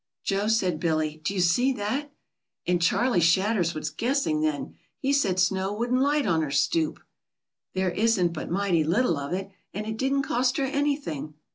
"Joe," said Billy, "do you see that?" "And Charley Shadders was guessing, then. He said snow wouldn't light on her stoop." "There isn't but mighty little of it, and it didn't cost her anything."